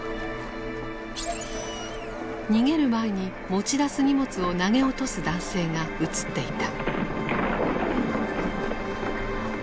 逃げる前に持ち出す荷物を投げ落とす男性が映っていた。